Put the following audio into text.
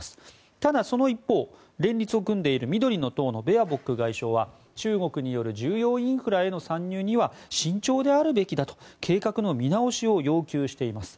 ただ、その一方連立を組んでいる緑の党のベアボック外相は中国による重要インフラへの参入には慎重であるべきだと計画の見直しを要求しています。